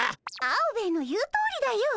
アオベエの言うとおりだよ。